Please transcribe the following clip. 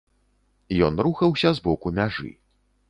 Ён рухаўся з боку мяжы.